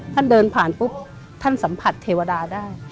เดินผ่านปุ๊บท่านสัมผัสเทวดาได้